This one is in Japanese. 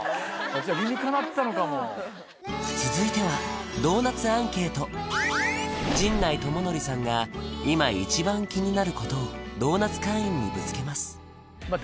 じゃあ理にかなってたのかも続いては陣内智則さんが今一番気になることをドーナツ会員にぶつけますまあ